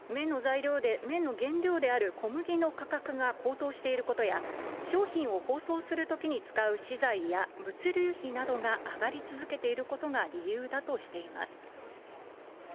麺の原料である小麦の価格が高騰していることや、商品を包装するときに使う資材や物流費などが上がり続けていることが理由だとしています。